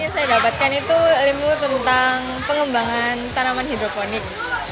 saya dapatkan itu ilmu tentang pengembangan tanaman hidroponik